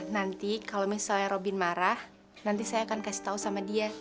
nanti kalau misalnya robin marah nanti saya akan kasih tahu sama dia